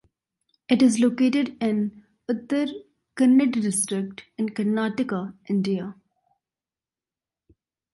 It is located in Uttara Kannada district, in Karnataka, India.